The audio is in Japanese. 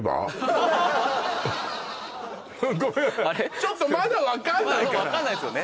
ちょっとまだわかんないからまだわかんないですよね